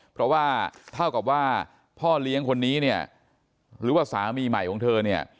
เพราะว่าเท่ากับว่าพ่อเลี้ยงคนนี้เนี่ยหรือว่าสามีใหม่ของเธอเนี่ย